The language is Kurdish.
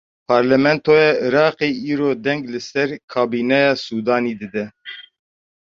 Parlamentoya Iraqê îro deng li ser kabîneya Sûdanî dide.